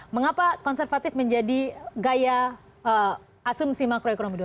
mengapa konservatif menjadi gaya asumsi makroekonomi dua ribu